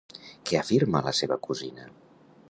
Què afirma la seva cosina?